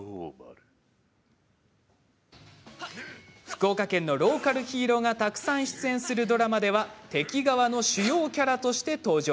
福岡県のローカルヒーローがたくさん出演するドラマでは敵側の主要キャラとして登場。